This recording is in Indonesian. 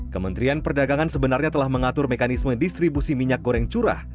kementerian perdagangan sebenarnya telah mengatur mekanisme distribusi minyak goreng curah